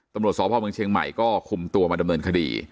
ตำรวจสพเมืองเชียงใหม่ก็คุมตัวมาดำเนินคดี